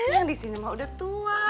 yang disini mah udah tua